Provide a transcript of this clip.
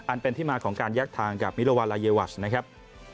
อันเป็นที่มาของการแยกทางกับมิลวาลาเยวัชนะครับ